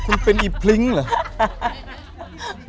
คุณเป็นอีพลิ้งเหรอ